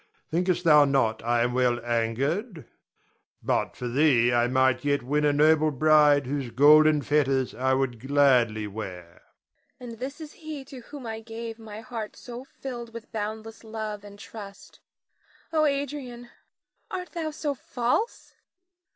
Thinkest thou not I am well angered? But for thee I might yet win a noble bride whose golden fetters I would gladly wear. Nina. And this is he to whom I gave my heart so filled with boundless love and trust. Oh, Adrian, art thou so false?